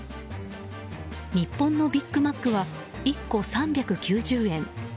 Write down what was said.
日本のビッグマックは１個３９０円。